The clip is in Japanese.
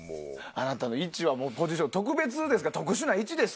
あなたの位置は特別ですから特殊な位置ですから。